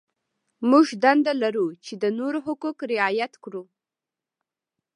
موږ دنده لرو چې د نورو حقوق رعایت کړو.